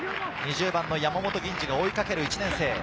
２０番の山本吟侍が追いかける１年生。